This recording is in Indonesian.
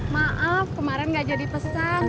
maaf kemarin gak jadi pesan